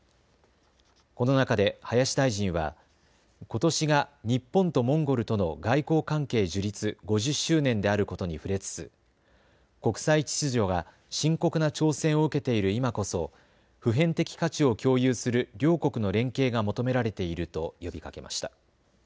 この中で林大臣はことしが日本とモンゴルとの外交関係樹立５０周年であることに触れつつ国際秩序が深刻な挑戦を受けている今こそ普遍的価値を共有する両国の連携が求められていると呼びかけました。